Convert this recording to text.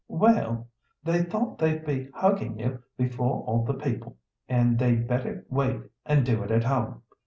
"Well—they thought they'd be hugging you before all the people, and they'd better wait and do it at home.